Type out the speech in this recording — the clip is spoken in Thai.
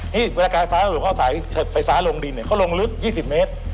นี่เวลากายฟ้าหลวงเอาสายไฟฟ้าลงดินเนี่ยเขาลงลึก๒๐เมตร